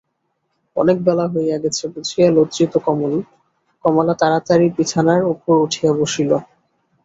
অনেক বেলা হইয়া গেছে বুঝিয়া লজ্জিত কমলা তাড়াতাড়ি বিছানার উপর উঠিয়া বসিল।